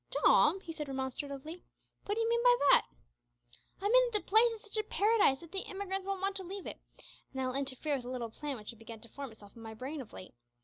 "Dom!" he said, remonstratively, "what do you mean by that?" "I mean that the place is such a paradise that the emigrants won't want to leave it, and that will interfere with a little plan which had begun to form itself in my brain of late.